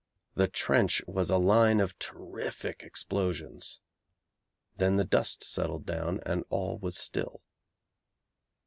The trench was a line of terrific explosions. Then the dust settled down and all was still.